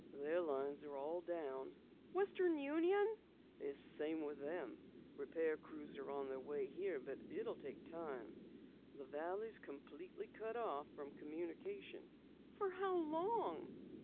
"Their lines are all down." "Western Union?" "It's the same with them. Repair crews are on their way here but it will take time. The valley's completely cut off from communication." "For how long?"